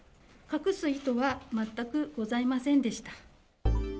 隠す意図は全くございませんでした。